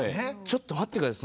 ちょっと待って下さい。